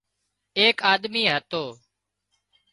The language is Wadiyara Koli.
ايڪ آۮمي هتو